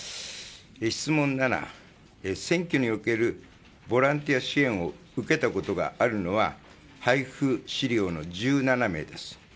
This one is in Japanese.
質問７、選挙におけるボランティア支援を受けたことがあるのは配布資料の１７名です。